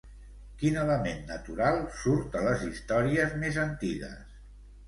Quin element natural surt a les històries més antigues?